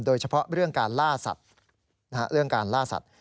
โดยเฉพาะเรื่องการล่าสัตว์